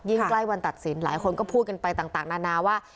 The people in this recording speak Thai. ใกล้วันตัดสินหลายคนก็พูดกันไปต่างนานาว่า